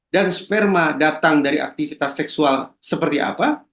dan sperma datang dari aktivitas seksual seperti apa